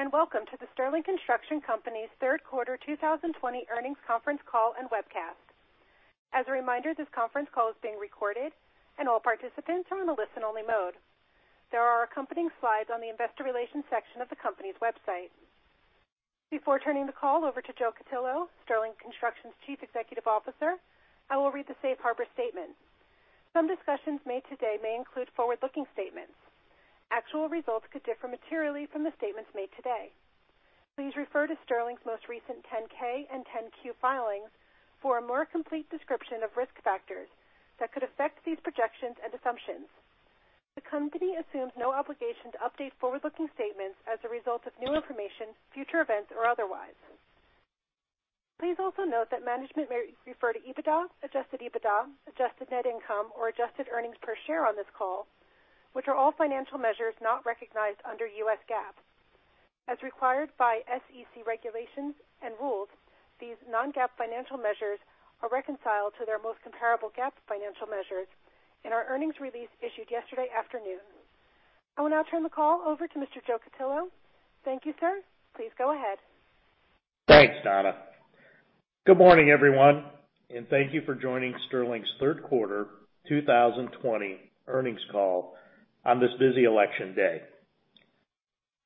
Greetings and welcome to the Sterling Construction Company's third quarter 2020 earnings conference call and webcast. As a reminder, this conference call is being recorded, and all participants are in a listen-only mode. There are accompanying slides on the investor relations section of the company's website. Before turning the call over to Joe Cutillo, Sterling Construction's Chief Executive Officer, I will read the safe harbor statement. Some discussions made today may include forward-looking statements. Actual results could differ materially from the statements made today. Please refer to Sterling's most recent 10-K and 10-Q filings for a more complete description of risk factors that could affect these projections and assumptions. The company assumes no obligation to update forward-looking statements as a result of new information, future events, or otherwise. Please also note that management may refer to EBITDA, adjusted EBITDA, adjusted net income, or adjusted earnings per share on this call, which are all financial measures not recognized under US GAAP. As required by SEC regulations and rules, these non-GAAP financial measures are reconciled to their most comparable GAAP financial measures in our earnings release issued yesterday afternoon. I will now turn the call over to Mr. Joe Cutillo. Thank you, sir. Please go ahead. Thanks, Donna. Good morning, everyone, and thank you for joining Sterling's third quarter 2020 earnings call on this busy election day.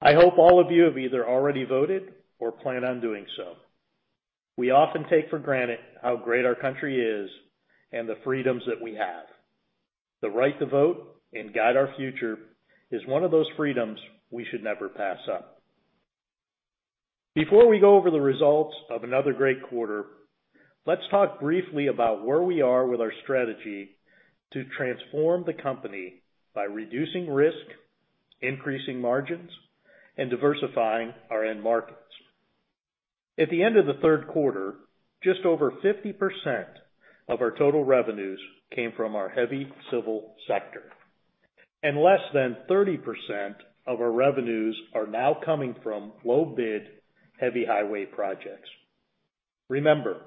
I hope all of you have either already voted or plan on doing so. We often take for granted how great our country is and the freedoms that we have. The right to vote and guide our future is one of those freedoms we should never pass up. Before we go over the results of another great quarter, let's talk briefly about where we are with our strategy to transform the company by reducing risk, increasing margins, and diversifying our end markets. At the end of the third quarter, just over 50% of our total revenues came from our heavy civil sector, and less than 30% of our revenues are now coming from low-bid, heavy highway projects. Remember,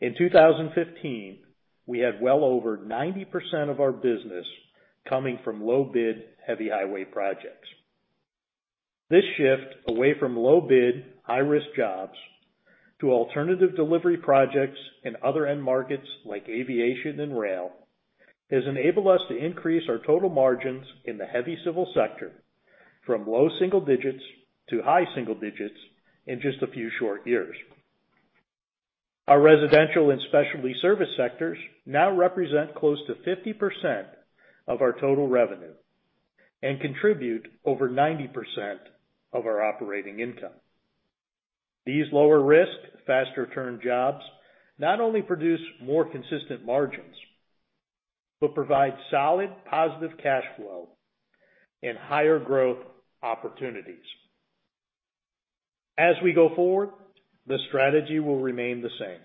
in 2015, we had well over 90% of our business coming from low-bid, heavy highway projects. This shift away from low-bid, high-risk jobs to alternative delivery projects in other end markets like aviation and rail has enabled us to increase our total margins in the heavy civil sector from low single digits to high single digits in just a few short years. Our residential and specialty service sectors now represent close to 50% of our total revenue and contribute over 90% of our operating income. These lower-risk, fast-return jobs not only produce more consistent margins but provide solid, positive cash flow and higher growth opportunities. As we go forward, the strategy will remain the same.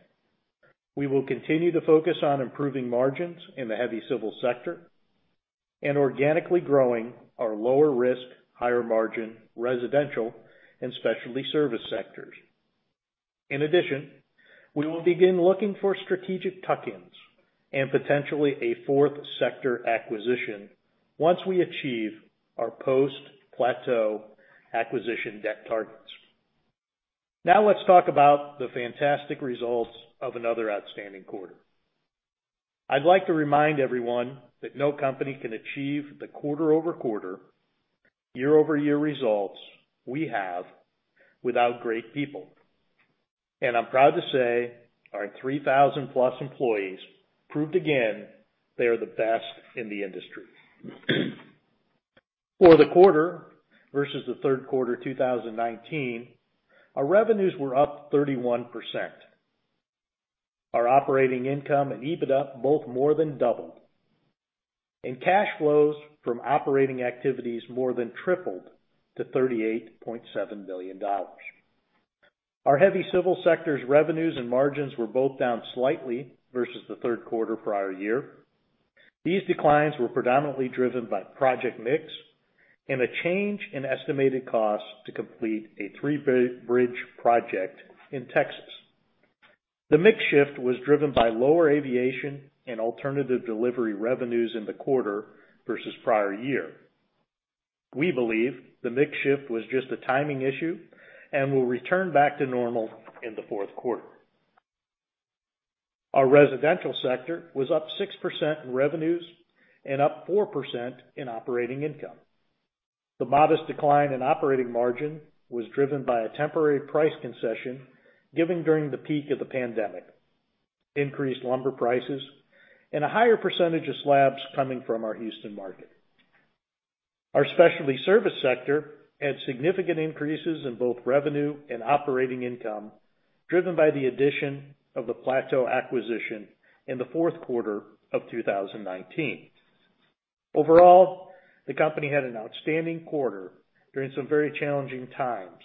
We will continue to focus on improving margins in the heavy civil sector and organically growing our lower-risk, higher-margin residential and specialty service sectors. In addition, we will begin looking for strategic tuck-ins and potentially a fourth sector acquisition once we achieve our post-Plateau acquisition debt targets. Now, let's talk about the fantastic results of another outstanding quarter. I'd like to remind everyone that no company can achieve the quarter-over-quarter, year-over-year results we have without great people. I'm proud to say our 3,000-plus employees proved again they are the best in the industry. For the quarter versus the third quarter 2019, our revenues were up 31%. Our operating income and EBITDA both more than doubled, and cash flows from operating activities more than tripled to $38.7 million. Our heavy civil sector's revenues and margins were both down slightly versus the third quarter prior year. These declines were predominantly driven by project mix and a change in estimated costs to complete a three-bridge project in Texas. The mix shift was driven by lower aviation and alternative delivery revenues in the quarter versus prior year. We believe the mix shift was just a timing issue and will return back to normal in the fourth quarter. Our residential sector was up 6% in revenues and up 4% in operating income. The modest decline in operating margin was driven by a temporary price concession given during the peak of the pandemic, increased lumber prices, and a higher percentage of slabs coming from our Houston market. Our specialty service sector had significant increases in both revenue and operating income driven by the addition of the Plateau acquisition in the fourth quarter of 2019. Overall, the company had an outstanding quarter during some very challenging times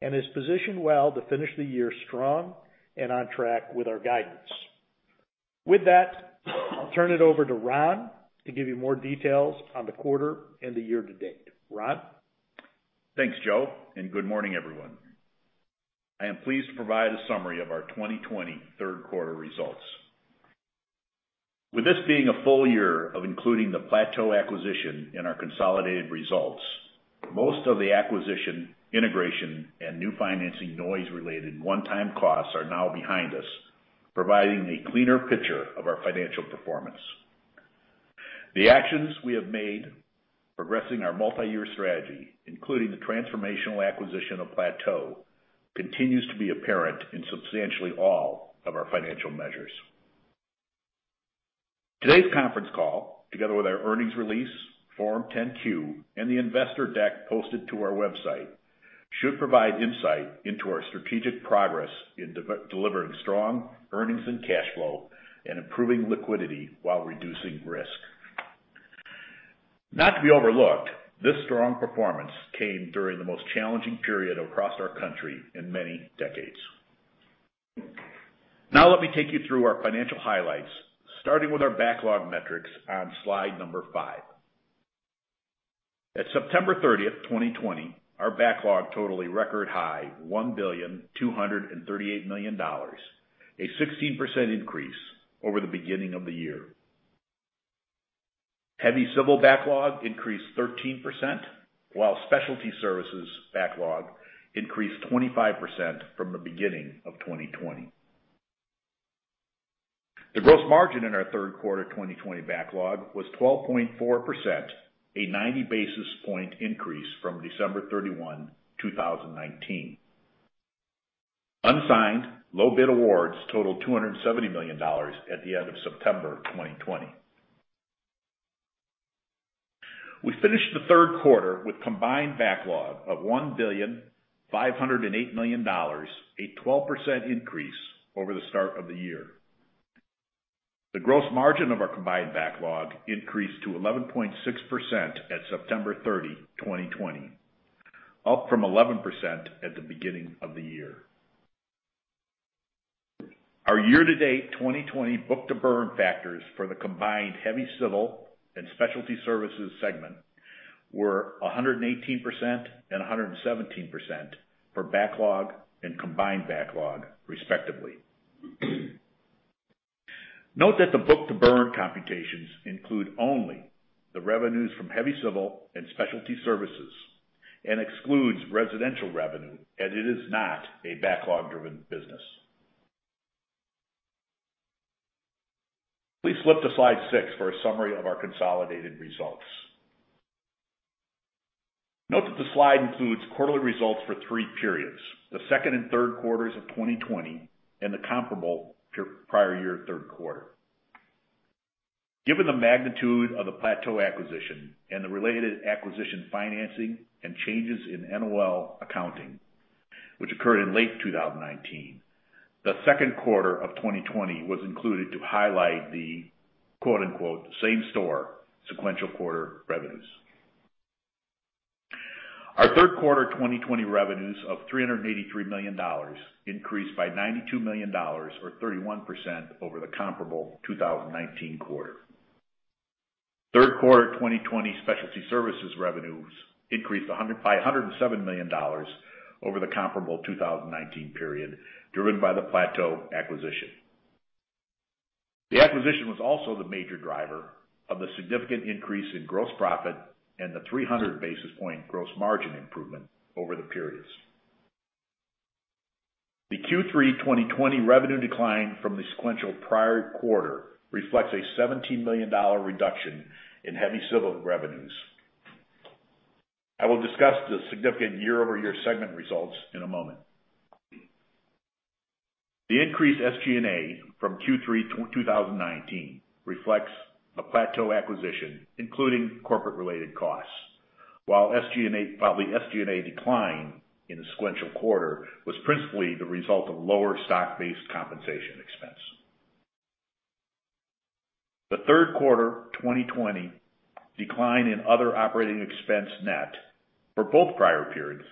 and is positioned well to finish the year strong and on track with our guidance. With that, I'll turn it over to Ron to give you more details on the quarter and the year to date. Ron? Thanks, Joe, and good morning, everyone. I am pleased to provide a summary of our 2020 third quarter results. With this being a full year of including the Plateau acquisition in our consolidated results, most of the acquisition, integration, and new financing noise-related one-time costs are now behind us, providing a cleaner picture of our financial performance. The actions we have made, progressing our multi-year strategy, including the transformational acquisition of Plateau, continues to be apparent in substantially all of our financial measures. Today's conference call, together with our earnings release, Form 10-Q, and the investor deck posted to our website, should provide insight into our strategic progress in delivering strong earnings and cash flow and improving liquidity while reducing risk. Not to be overlooked, this strong performance came during the most challenging period across our country in many decades. Now, let me take you through our financial highlights, starting with our backlog metrics on slide number five. At September 30, 2020, our backlog totaled a record high of $1,238 million, a 16% increase over the beginning of the year. Heavy civil backlog increased 13%, while specialty services backlog increased 25% from the beginning of 2020. The gross margin in our third quarter 2020 backlog was 12.4%, a 90 basis point increase from December 31, 2019. Unsigned low-bid awards totaled $270 million at the end of September 2020. We finished the third quarter with combined backlog of $1,508 million, a 12% increase over the start of the year. The gross margin of our combined backlog increased to 11.6% at September 30, 2020, up from 11% at the beginning of the year. Our year-to-date 2020 book-to-burn factors for the combined heavy civil and specialty services segment were 118% and 117% for backlog and combined backlog, respectively. Note that the book-to-burn computations include only the revenues from heavy civil and specialty services and exclude residential revenue, as it is not a backlog-driven business. Please flip to slide six for a summary of our consolidated results. Note that the slide includes quarterly results for three periods: the second and third quarters of 2020 and the comparable prior year third quarter. Given the magnitude of the Plateau acquisition and the related acquisition financing and changes in NOL accounting, which occurred in late 2019, the second quarter of 2020 was included to highlight the "same store, sequential quarter revenues." Our third quarter 2020 revenues of $383 million increased by $92 million, or 31%, over the comparable 2019 quarter. Third quarter 2020 specialty services revenues increased by $107 million over the comparable 2019 period, driven by the Plateau acquisition. The acquisition was also the major driver of the significant increase in gross profit and the 300 basis point gross margin improvement over the periods. The Q3 2020 revenue decline from the sequential prior quarter reflects a $17 million reduction in heavy civil revenues. I will discuss the significant year-over-year segment results in a moment. The increased SG&A from Q3 2019 reflects a Plateau acquisition, including corporate-related costs, while the SG&A decline in the sequential quarter was principally the result of lower stock-based compensation expense. The third quarter 2020 decline in other operating expense net for both prior periods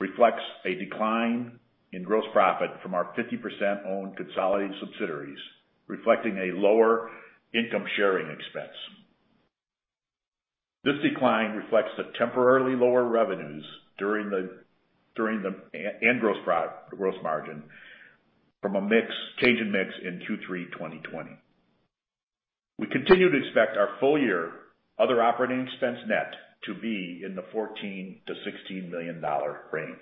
reflects a decline in gross profit from our 50% owned consolidated subsidiaries, reflecting a lower income sharing expense. This decline reflects the temporarily lower revenues during the end gross margin from a change in mix in Q3 2020. We continue to expect our full year other operating expense net to be in the $14-$16 million range.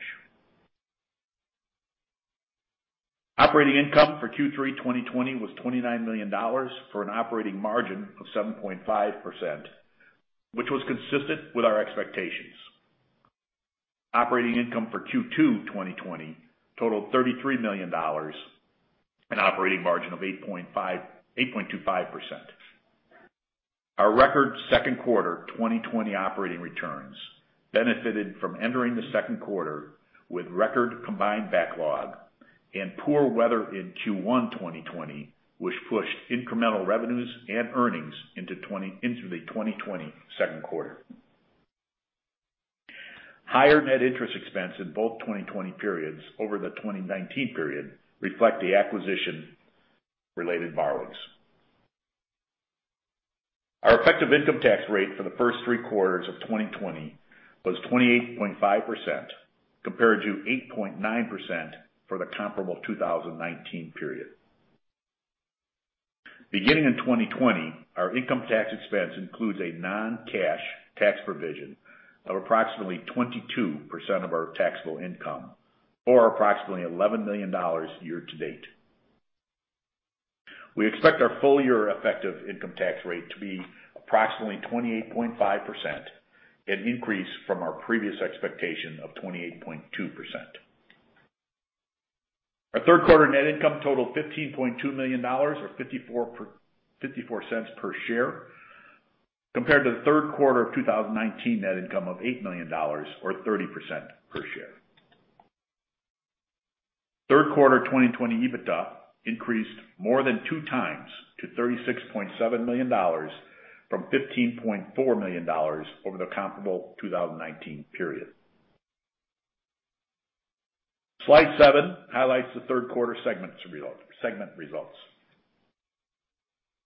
Operating income for Q3 2020 was $29 million for an operating margin of 7.5%, which was consistent with our expectations. Operating income for Q2 2020 totaled $33 million and an operating margin of 8.25%. Our record second quarter 2020 operating returns benefited from entering the second quarter with record combined backlog and poor weather in Q1 2020, which pushed incremental revenues and earnings into the 2020 second quarter. Higher net interest expense in both 2020 periods over the 2019 period reflect the acquisition-related borrowings. Our effective income tax rate for the first three quarters of 2020 was 28.5%, compared to 8.9% for the comparable 2019 period. Beginning in 2020, our income tax expense includes a non-cash tax provision of approximately 22% of our taxable income or approximately $11 million year-to-date. We expect our full year effective income tax rate to be approximately 28.5%, an increase from our previous expectation of 28.2%. Our third quarter net income totaled $15.2 million, or $0.54 per share, compared to the third quarter of 2019 net income of $8 million, or $0.30 per share. Third quarter 2020 EBITDA increased more than two times to $36.7 million from $15.4 million over the comparable 2019 period. Slide seven highlights the third quarter segment results.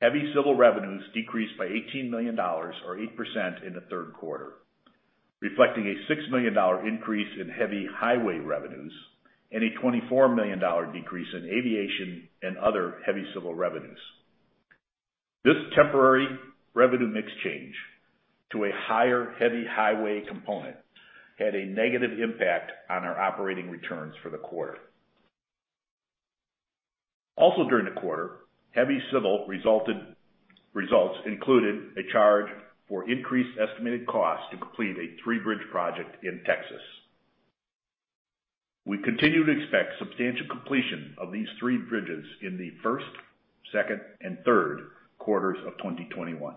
Heavy civil revenues decreased by $18 million, or 8%, in the third quarter, reflecting a $6 million increase in heavy highway revenues and a $24 million decrease in aviation and other heavy civil revenues. This temporary revenue mix change to a higher heavy highway component had a negative impact on our operating returns for the quarter. Also during the quarter, heavy civil results included a charge for increased estimated costs to complete a three-bridge project in Texas. We continue to expect substantial completion of these three bridges in the first, second, and third quarters of 2021.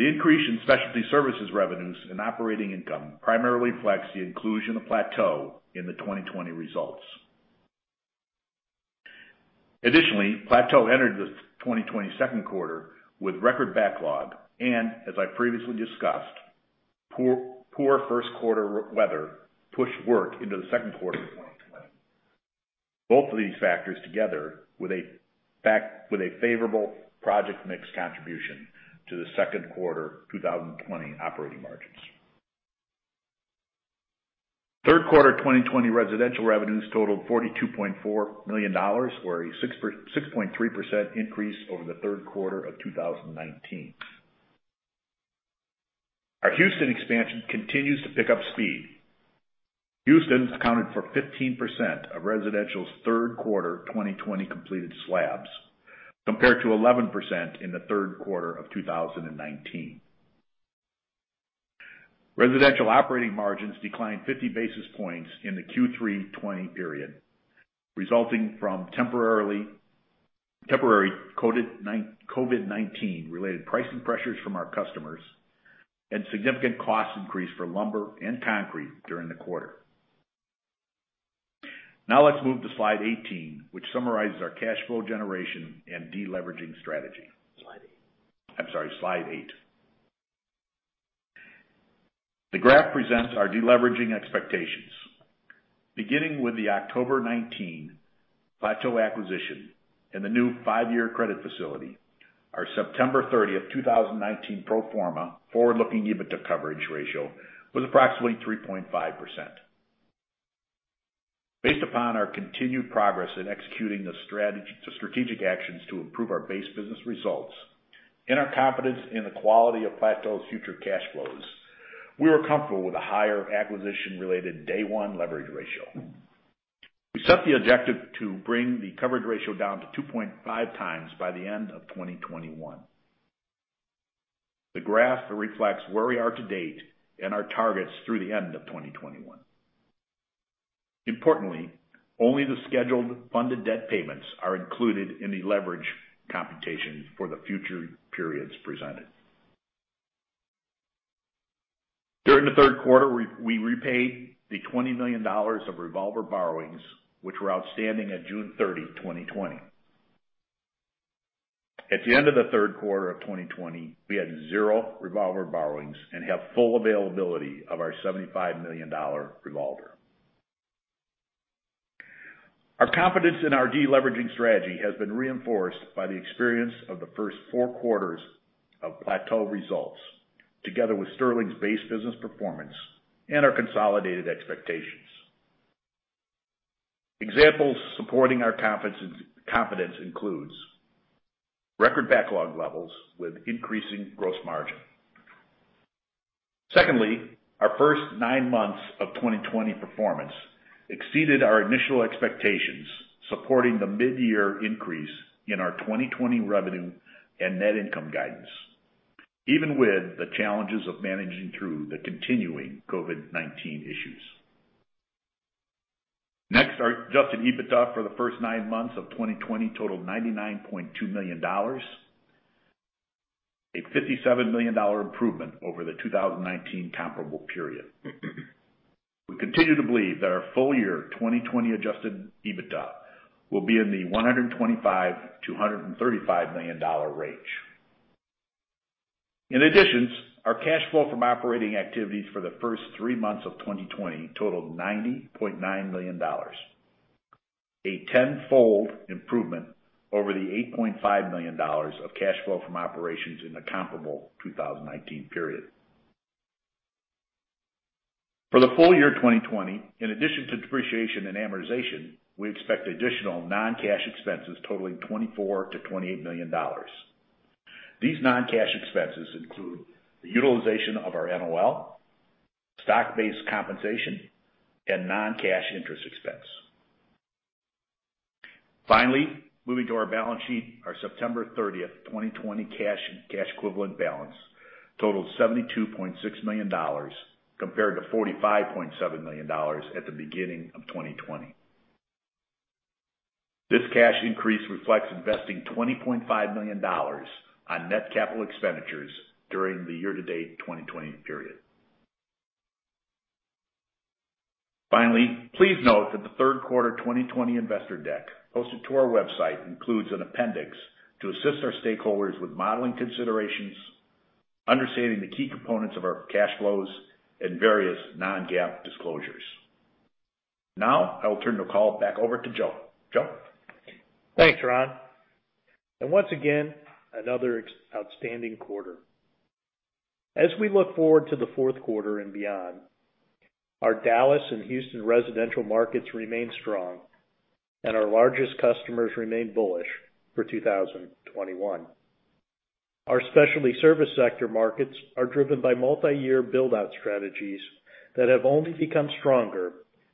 The increase in specialty services revenues and operating income primarily reflects the inclusion of Plateau in the 2020 results. Additionally, Plateau entered the 2020 second quarter with record backlog and, as I previously discussed, poor first quarter weather pushed work into the second quarter of 2020. Both of these factors together with a favorable project mix contribution to the second quarter 2020 operating margins. Third quarter 2020 residential revenues totaled $42.4 million, or a 6.3% increase over the third quarter of 2019. Our Houston expansion continues to pick up speed. Houston accounted for 15% of residential's third quarter 2020 completed slabs, compared to 11% in the third quarter of 2019. Residential operating margins declined 50 basis points in the Q3 2020 period, resulting from temporary COVID-19-related pricing pressures from our customers and significant cost increase for lumber and concrete during the quarter. Now, let's move to slide 18, which summarizes our cash flow generation and deleveraging strategy. I'm sorry, slide eight. The graph presents our deleveraging expectations. Beginning with the October 2019 Plateau acquisition and the new five-year credit facility, our September 30, 2019 pro forma forward-looking EBITDA coverage ratio was approximately 3.5%. Based upon our continued progress in executing the strategic actions to improve our base business results and our confidence in the quality of Plateau's future cash flows, we were comfortable with a higher acquisition-related day one leverage ratio. We set the objective to bring the coverage ratio down to 2.5 times by the end of 2021. The graph reflects where we are to date and our targets through the end of 2021. Importantly, only the scheduled funded debt payments are included in the leverage computation for the future periods presented. During the third quarter, we repaid the $20 million of revolver borrowings, which were outstanding at June 30, 2020. At the end of the third quarter of 2020, we had zero revolver borrowings and have full availability of our $75 million revolver. Our confidence in our deleveraging strategy has been reinforced by the experience of the first four quarters of Plateau results, together with Sterling's base business performance and our consolidated expectations. Examples supporting our confidence include record backlog levels with increasing gross margin. Secondly, our first nine months of 2020 performance exceeded our initial expectations, supporting the mid-year increase in our 2020 revenue and net income guidance, even with the challenges of managing through the continuing COVID-19 issues. Next, our adjusted EBITDA for the first nine months of 2020 totaled $99.2 million, a $57 million improvement over the 2019 comparable period. We continue to believe that our full year 2020 adjusted EBITDA will be in the $125-$135 million range. In addition, our cash flow from operating activities for the first three months of 2020 totaled $90.9 million, a tenfold improvement over the $8.5 million of cash flow from operations in the comparable 2019 period. For the full year 2020, in addition to depreciation and amortization, we expect additional non-cash expenses totaling $24-$28 million. These non-cash expenses include the utilization of our NOL, stock-based compensation, and non-cash interest expense. Finally, moving to our balance sheet, our September 30, 2020 cash equivalent balance totaled $72.6 million, compared to $45.7 million at the beginning of 2020. This cash increase reflects investing $20.5 million on net capital expenditures during the year-to-date 2020 period. Finally, please note that the third quarter 2020 investor deck posted to our website includes an appendix to assist our stakeholders with modeling considerations, understanding the key components of our cash flows, and various non-GAAP disclosures. Now, I will turn the call back over to Joe. Joe. Thanks, Ron. Once again, another outstanding quarter. As we look forward to the fourth quarter and beyond, our Dallas and Houston residential markets remain strong, and our largest customers remain bullish for 2021. Our specialty service sector markets are driven by multi-year build-out strategies that have only become stronger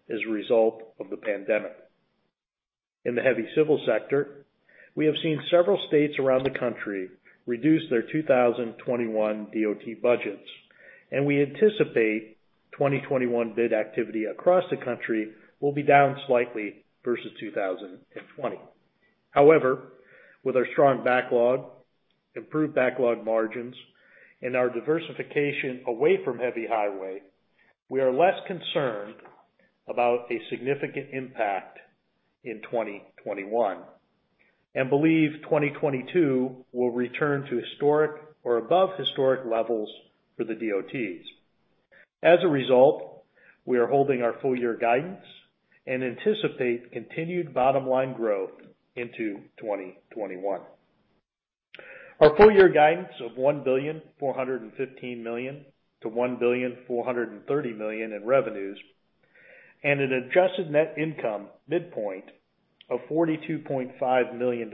as a result of the pandemic. In the heavy civil sector, we have seen several states around the country reduce their 2021 DOT budgets, and we anticipate 2021 bid activity across the country will be down slightly versus 2020. However, with our strong backlog, improved backlog margins, and our diversification away from heavy highway, we are less concerned about a significant impact in 2021 and believe 2022 will return to historic or above historic levels for the DOTs. As a result, we are holding our full year guidance and anticipate continued bottom line growth into 2021. Our full year guidance of $1,415 million-$1,430 million in revenues and an adjusted net income midpoint of $42.5 million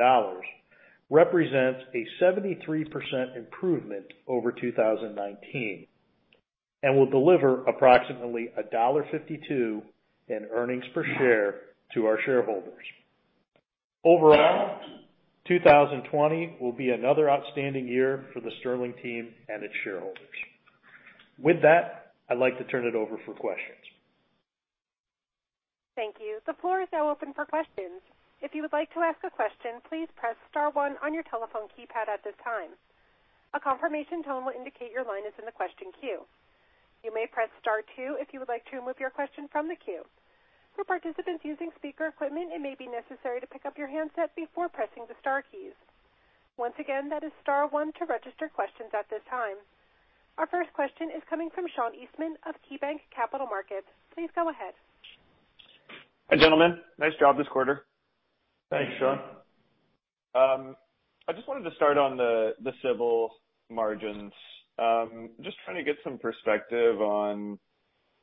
represents a 73% improvement over 2019 and will deliver approximately $1.52 in earnings per share to our shareholders. Overall, 2020 will be another outstanding year for the Sterling team and its shareholders. With that, I'd like to turn it over for questions. T hank you. The floor is now open for questions. If you would like to ask a question, please press star one on your telephone keypad at this time. A confirmation tone will indicate your line is in the question queue. You may press star two if you would like to remove your question from the queue. For participants using speaker equipment, it may be necessary to pick up your handset before pressing the star keys. Once again, that is star one to register questions at this time. Our first question is coming from Sean Eastman of KeyBank Capital Markets. Please go ahead. Hi, gentlemen. Nice job this quarter. Thanks, Sean. I just wanted to start on the civil margins. Just trying to get some perspective on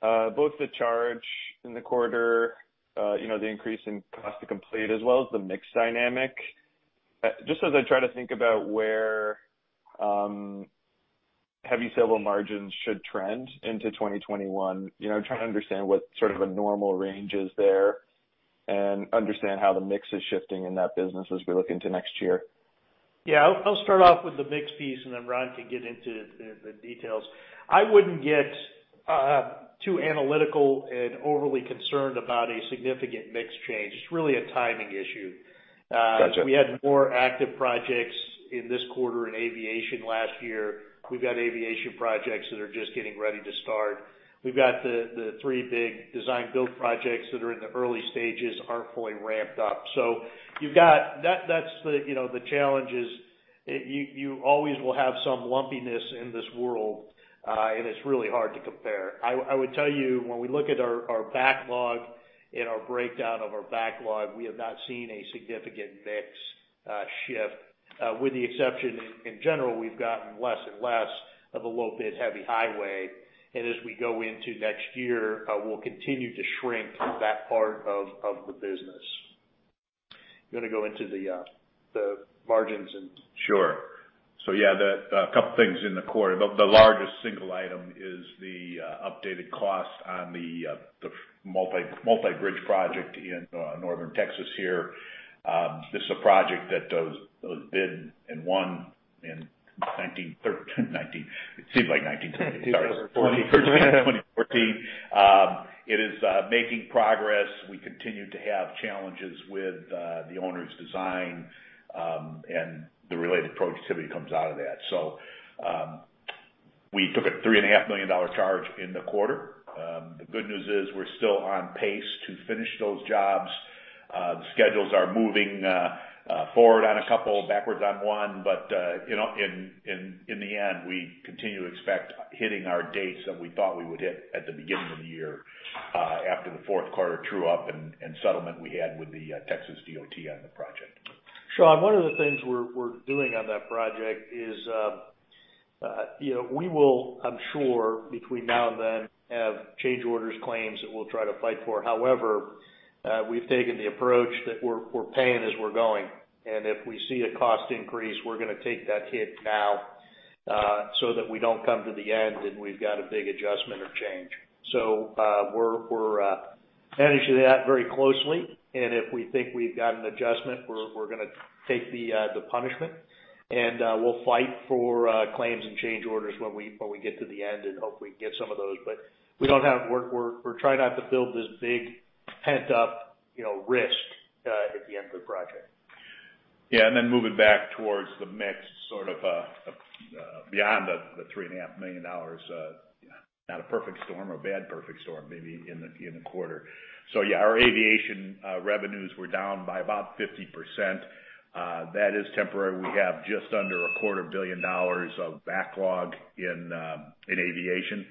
both the charge in the quarter, the increase in cost to complete, as well as the mix dynamic. Just as I try to think about where heavy civil margins should trend into 2021, trying to understand what sort of a normal range is there and understand how the mix is shifting in that business as we look into next year. Yeah. I'll start off with the mix piece, and then Ron can get into the details. I wouldn't get too analytical and overly concerned about a significant mix change. It's really a timing issue. We had more active projects in this quarter in aviation last year. We've got aviation projects that are just getting ready to start. We've got the three big design-build projects that are in the early stages aren't fully ramped up. That's the challenge is you always will have some lumpiness in this world, and it's really hard to compare. I would tell you, when we look at our backlog and our breakdown of our backlog, we have not seen a significant mix shift, with the exception in general, we've gotten less and less of the low-bid heavy highway. As we go into next year, we'll continue to shrink that part of the business. You want to go into the margins and? Sure. Yeah, a couple of things in the quarter. The largest single item is the updated cost on the multi-bridge project in northern Texas here. This is a project that was bid and won in 2013, 19—it seems like 1913. Sorry, 2014. It is making progress. We continue to have challenges with the owner's design, and the related productivity comes out of that. We took a $3.5 million charge in the quarter. The good news is we're still on pace to finish those jobs. The schedules are moving forward on a couple, backwards on one, but in the end, we continue to expect hitting our dates that we thought we would hit at the beginning of the year after the fourth quarter true-up and settlement we had with the Texas Department of Transportation on the project. Sean, one of the things we're doing on that project is we will, I'm sure, between now and then, have change orders, claims that we'll try to fight for. However, we've taken the approach that we're paying as we're going. If we see a cost increase, we're going to take that hit now so that we don't come to the end and we've got a big adjustment or change. We're managing that very closely. If we think we've got an adjustment, we're going to take the punishment, and we'll fight for claims and change orders when we get to the end and hopefully get some of those. We are trying not to build this big pent-up risk at the end of the project. Yeah. Moving back towards the mix sort of beyond the $3.5 million, not a perfect storm, a bad perfect storm, maybe in the quarter. Yeah, our aviation revenues were down by about 50%. That is temporary. We have just under a quarter billion dollars of backlog in aviation.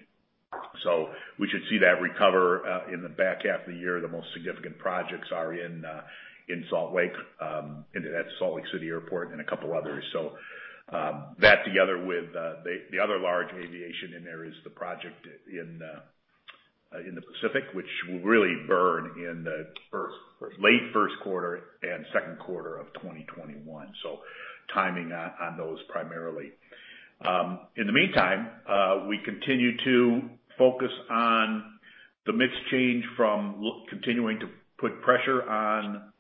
We should see that recover in the back half of the year. The most significant projects are in Salt Lake, into that Salt Lake City airport, and a couple others. That together with the other large aviation in there is the project in the Pacific, which will really burn in the late first quarter and second quarter of 2021. Timing on those primarily. In the meantime, we continue to focus on the mix change from continuing to put pressure on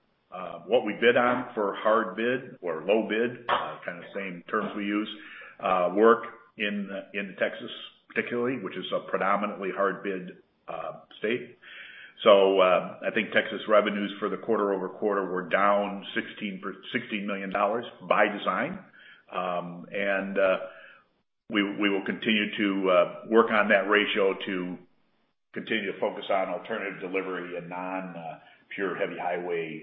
what we bid on for hard bid or low bid, kind of same terms we use, work in Texas, particularly, which is a predominantly hard bid state. I think Texas revenues for the quarter over quarter were down $16 million by design. We will continue to work on that ratio to continue to focus on alternative delivery and non-pure heavy highway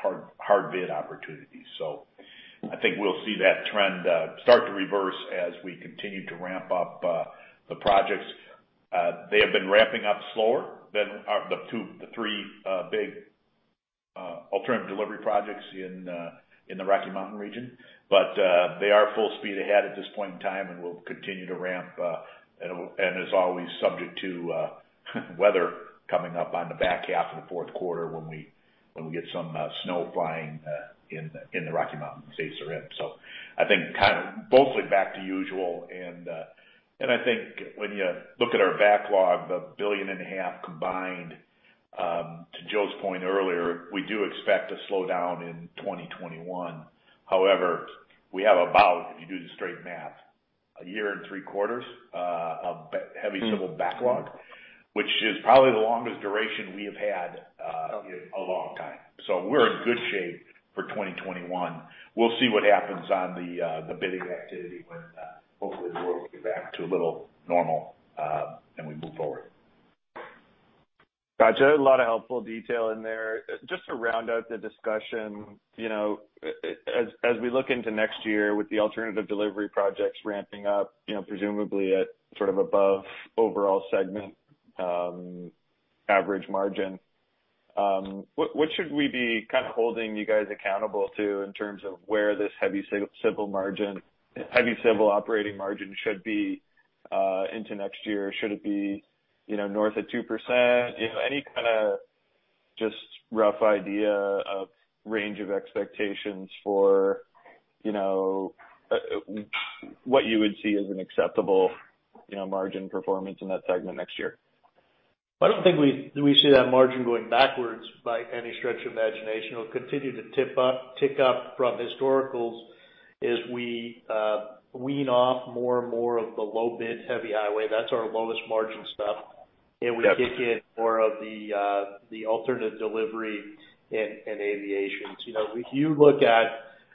hard bid opportunities. I think we'll see that trend start to reverse as we continue to ramp up the projects. They have been ramping up slower than the three big alternative delivery projects in the Rocky Mountain region, but they are full speed ahead at this point in time and will continue to ramp and is always subject to weather coming up on the back half of the fourth quarter when we get some snow flying in the Rocky Mountain states are in. I think kind of mostly back to usual. I think when you look at our backlog, the billion and a half combined, to Joe's point earlier, we do expect a slowdown in 2021. However, we have about, if you do the straight math, a year and three quarters of heavy civil backlog, which is probably the longest duration we have had in a long time. We are in good shape for 2021. We'll see what happens on the bidding activity when hopefully the world gets back to a little normal and we move forward. Gotcha. A lot of helpful detail in there. Just to round out the discussion, as we look into next year with the alternative delivery projects ramping up, presumably at sort of above overall segment average margin, what should we be kind of holding you guys accountable to in terms of where this heavy civil operating margin should be into next year? Should it be north of 2%? Any kind of just rough idea of range of expectations for what you would see as an acceptable margin performance in that segment next year? I don't think we see that margin going backwards by any stretch of imagination. It'll continue to tick up from historicals as we wean off more and more of the low-bid heavy highway. That's our lowest margin stuff. We kick in more of the alternative delivery and aviation. If you look at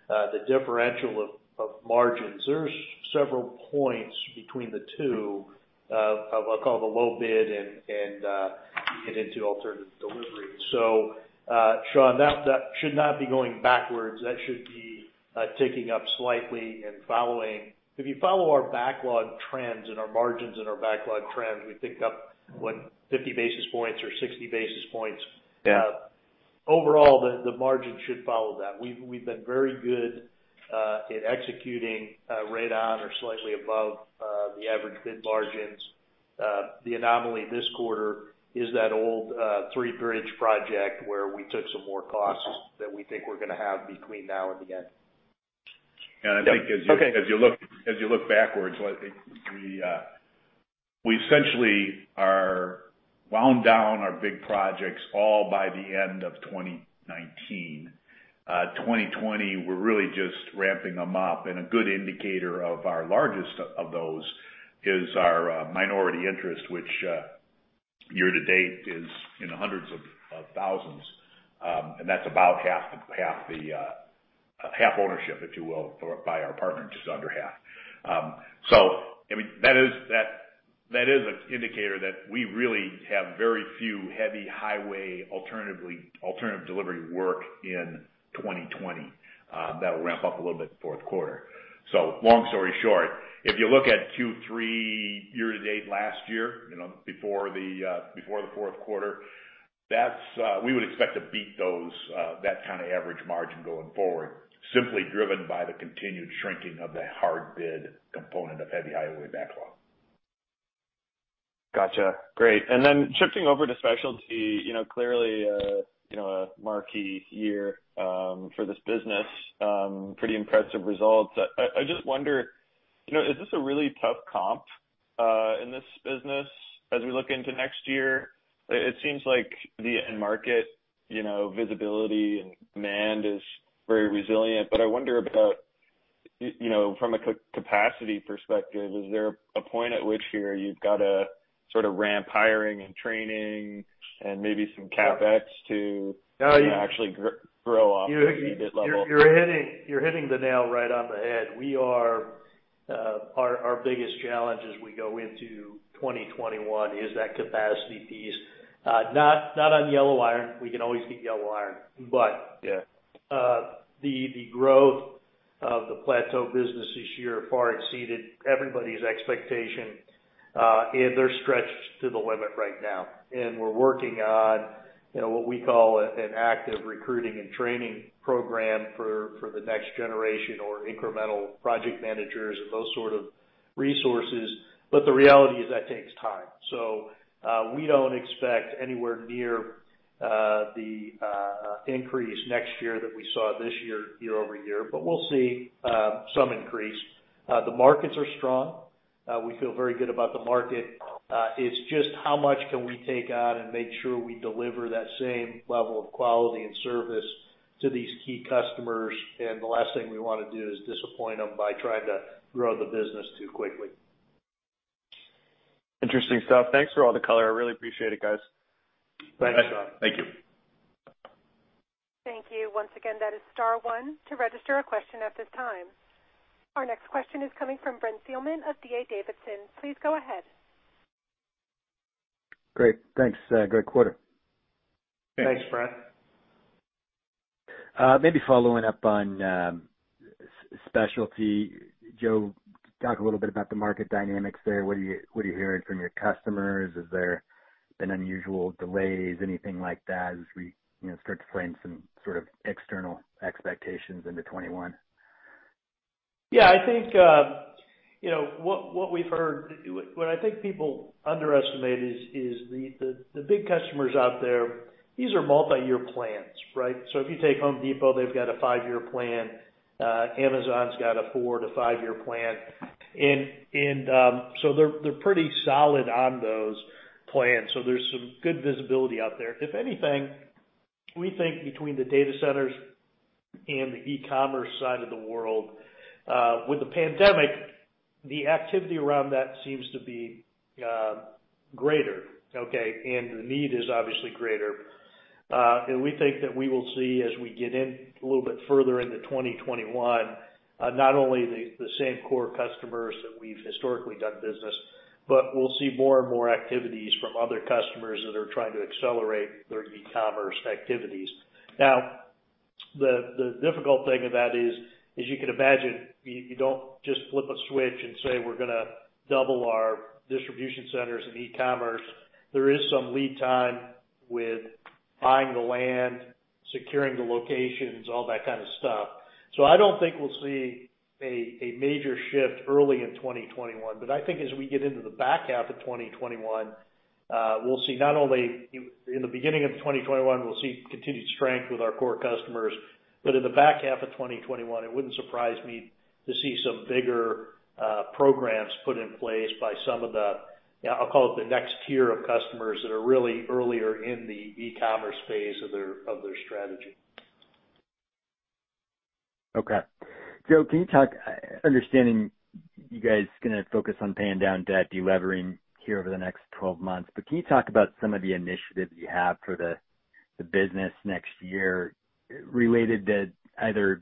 the differential of margins, there's several points between the two of what I'll call the low bid and get into alternative delivery. Sean, that should not be going backwards. That should be ticking up slightly and following. If you follow our backlog trends and our margins and our backlog trends, we picked up, what, 50 basis points or 60 basis points. Overall, the margin should follow that. We've been very good at executing right on or slightly above the average bid margins. The anomaly this quarter is that old three-bridge project where we took some more costs that we think we're going to have between now and the end. Yeah. I think as you look backwards, we essentially wound down our big projects all by the end of 2019. In 2020, we were really just ramping them up. A good indicator of our largest of those is our minority interest, which year to date is in the hundreds of thousands. That is about half the half ownership, if you will, by our partner, just under half. I mean, that is an indicator that we really have very few heavy highway alternative delivery work in 2020 that will ramp up a little bit in the fourth quarter. Long story short, if you look at Q3 year to date last year, before the fourth quarter, we would expect to beat that kind of average margin going forward, simply driven by the continued shrinking of the hard bid component of heavy highway backlog. Gotcha. Great. Then shifting over to specialty, clearly a marquee year for this business, pretty impressive results. I just wonder, is this a really tough comp in this business as we look into next year? It seems like the end market visibility and demand is very resilient. I wonder about from a capacity perspective, is there a point at which you've got to sort of ramp hiring and training and maybe some CapEx to actually grow off the mid-level? You're hitting the nail right on the head. Our biggest challenge as we go into 2021 is that capacity piece. Not on yellow iron. We can always get yellow iron. The growth of the Plateau business this year far exceeded everybody's expectation. They're stretched to the limit right now. We are working on what we call an active recruiting and training program for the next generation or incremental project managers and those sort of resources. The reality is that takes time. We do not expect anywhere near the increase next year that we saw this year year over year, but we will see some increase. The markets are strong. We feel very good about the market. It is just how much can we take on and make sure we deliver that same level of quality and service to these key customers. The last thing we want to do is disappoint them by trying to grow the business too quickly. Interesting stuff. Thanks for all the color. I really appreciate it, guys. Thanks, Sean. Thank you. Thank you. Once again, that is star one to register a question at this time. Our next question is coming from Brent Fielman of DA Davidson. Please go ahead. Great. Thanks. Great quarter. Thanks, Brent. Maybe following up on specialty, Joe, talk a little bit about the market dynamics there. What are you hearing from your customers? Has there been unusual delays, anything like that as we start to frame some sort of external expectations into 2021? Yeah. I think what we've heard, what I think people underestimate is the big customers out there, these are multi-year plans, right? If you take Home Depot, they've got a five-year plan. Amazon's got a four- to five-year plan. They are pretty solid on those plans. There is some good visibility out there. If anything, we think between the data centers and the e-commerce side of the world, with the pandemic, the activity around that seems to be greater, okay? The need is obviously greater. We think that we will see as we get a little bit further into 2021, not only the same core customers that we've historically done business with, but we'll see more and more activities from other customers that are trying to accelerate their e-commerce activities. The difficult thing of that is, as you can imagine, you don't just flip a switch and say, "We're going to double our distribution centers and e-commerce." There is some lead time with buying the land, securing the locations, all that kind of stuff. I don't think we'll see a major shift early in 2021. I think as we get into the back half of 2021, we'll see, not only in the beginning of 2021, continued strength with our core customers. But in the back half of 2021, it wouldn't surprise me to see some bigger programs put in place by some of the, I'll call it the next tier of customers that are really earlier in the e-commerce phase of their strategy. Okay. Joe, can you talk, understanding you guys are going to focus on paying down debt, delivering here over the next 12 months. Can you talk about some of the initiatives you have for the business next year related to either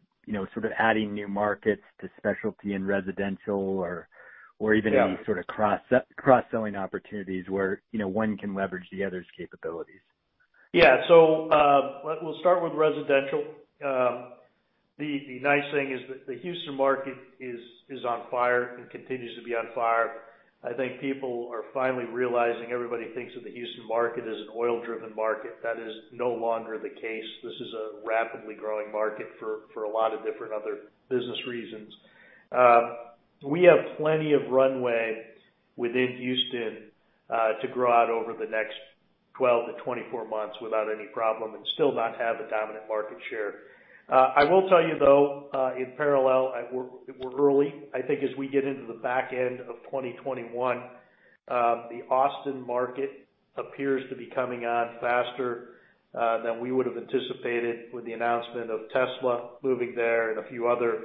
sort of adding new markets to specialty and residential or even any sort of cross-selling opportunities where one can leverage the other's capabilities? Yeah. We'll start with residential. The nice thing is that the Houston market is on fire and continues to be on fire. I think people are finally realizing everybody thinks that the Houston market is an oil-driven market. That is no longer the case. This is a rapidly growing market for a lot of different other business reasons. We have plenty of runway within Houston to grow out over the next 12 to 24 months without any problem and still not have a dominant market share. I will tell you, though, in parallel, we're early. I think as we get into the back end of 2021, the Austin market appears to be coming on faster than we would have anticipated with the announcement of Tesla moving there and a few other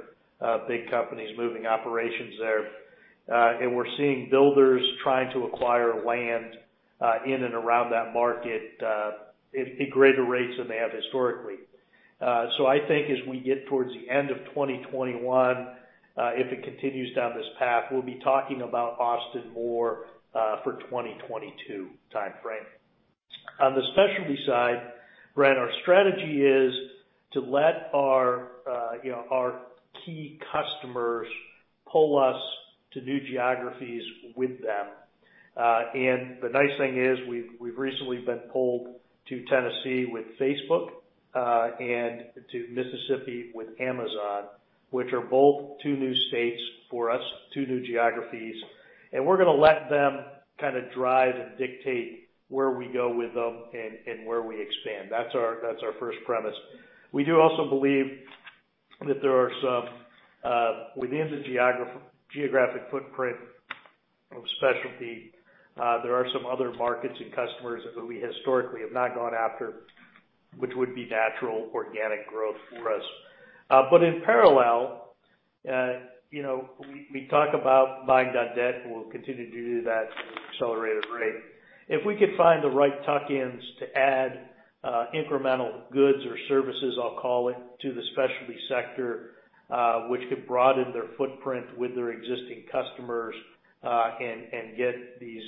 big companies moving operations there. We're seeing builders trying to acquire land in and around that market at greater rates than they have historically. I think as we get towards the end of 2021, if it continues down this path, we'll be talking about Austin more for 2022 timeframe. On the specialty side, Brent, our strategy is to let our key customers pull us to new geographies with them. The nice thing is we've recently been pulled to Tennessee with Facebook and to Mississippi with Amazon, which are both two new states for us, two new geographies. We're going to let them kind of drive and dictate where we go with them and where we expand. That's our first premise. We do also believe that there are some within the geographic footprint of specialty, there are some other markets and customers that we historically have not gone after, which would be natural organic growth for us. In parallel, we talk about buying down debt. We'll continue to do that at an accelerated rate. If we could find the right tuck-ins to add incremental goods or services, I'll call it, to the specialty sector, which could broaden their footprint with their existing customers and get these,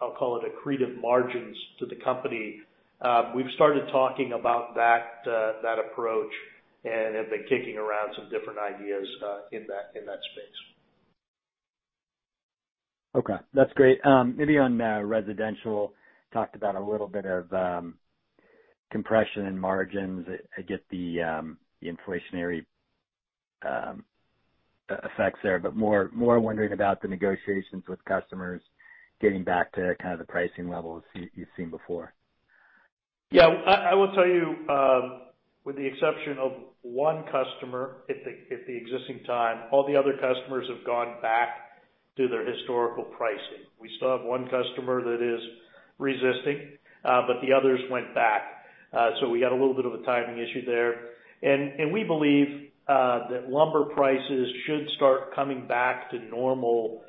I'll call it, accretive margins to the company. We've started talking about that approach and have been kicking around some different ideas in that space. Okay. That's great. Maybe on residential, talked about a little bit of compression in margins. I get the inflationary effects there. More wondering about the negotiations with customers getting back to kind of the pricing levels you've seen before. Yeah. I will tell you, with the exception of one customer at the existing time, all the other customers have gone back to their historical pricing. We still have one customer that is resisting, but the others went back. We got a little bit of a timing issue there. We believe that lumber prices should start coming back to normal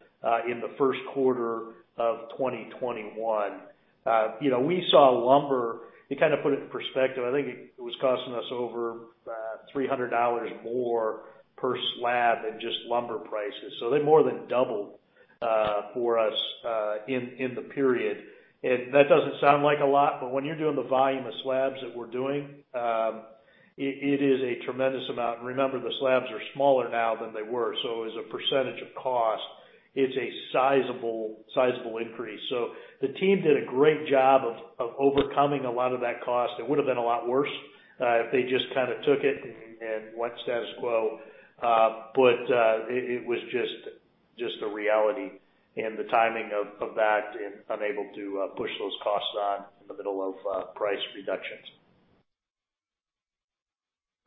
in the first quarter of 2021. We saw lumber, to kind of put it in perspective, I think it was costing us over $300 more per slab than just lumber prices. They more than doubled for us in the period. That does not sound like a lot, but when you are doing the volume of slabs that we are doing, it is a tremendous amount. Remember, the slabs are smaller now than they were. As a percentage of cost, it is a sizable increase. The team did a great job of overcoming a lot of that cost. It would have been a lot worse if they just kind of took it and went status quo. It was just the reality and the timing of that and unable to push those costs on in the middle of price reductions.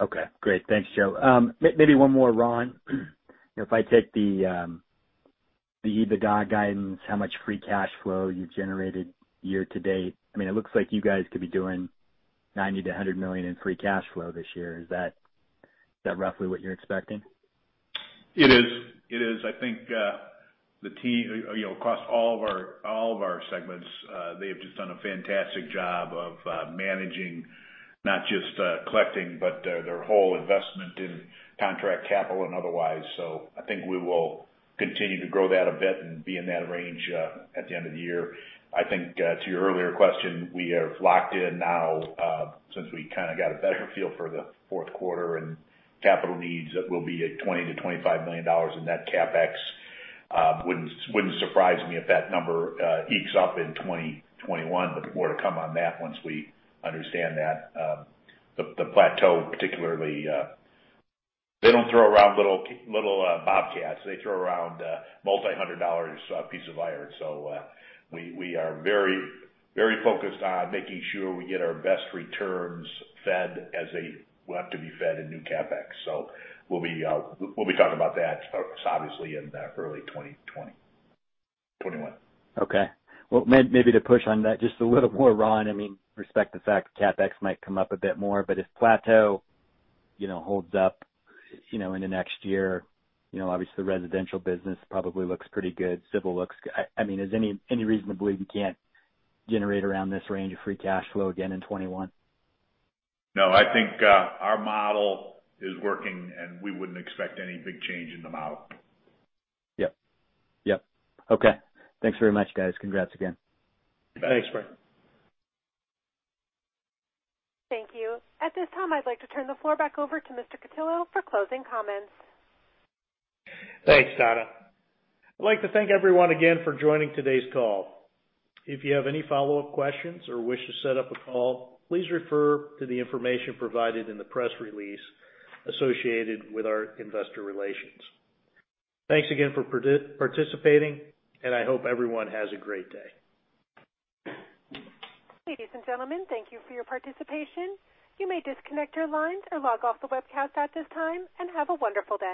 Okay. Great. Thanks, Joe. Maybe one more, Ron. If I take the EBITDA guidance, how much free cash flow you've generated year to date? I mean, it looks like you guys could be doing $90 million-$100 million in free cash flow this year. Is that roughly what you're expecting? It is. It is. I think the team, across all of our segments, they have just done a fantastic job of managing not just collecting, but their whole investment in contract capital and otherwise. I think we will continue to grow that a bit and be in that range at the end of the year. I think to your earlier question, we have locked in now since we kind of got a better feel for the fourth quarter and capital needs that will be at $20 million-$25 million in net CapEx. Wouldn't surprise me if that number eats up in 2021, but more to come on that once we understand that. Plateau, particularly, they don't throw around little bobcats. They throw around multi-hundred dollar piece of iron. We are very focused on making sure we get our best returns fed as they will have to be fed in new CapEx. We will be talking about that, obviously, in early 2021. Okay. Maybe to push on that just a little more, Ron. I mean, respect the fact CapEx might come up a bit more. If Plateau holds up in the next year, obviously, the residential business probably looks pretty good. Civil looks good. I mean, is there any reason to believe we can't generate around this range of free cash flow again in 2021? No, I think our model is working, and we wouldn't expect any big change in the model. Yep. Yep. Okay. Thanks very much, guys. Congrats again. Thanks, Brent. Thank you. At this time, I'd like to turn the floor back over to Mr. Cutillo for closing comments. Thanks, Donna. I'd like to thank everyone again for joining today's call. If you have any follow-up questions or wish to set up a call, please refer to the information provided in the press release associated with our investor relations. Thanks again for participating, and I hope everyone has a great day. Ladies and gentlemen, thank you for your participation. You may disconnect your lines or log off the webcast at this time and have a wonderful day.